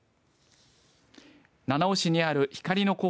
七尾市にある光の子